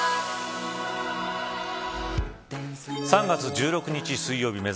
３月１６日水曜日